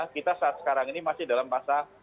kita saat sekarang ini masih dalam masa